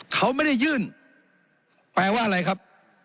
เขาไม่ได้ยื่นแปลว่าอะไรครับ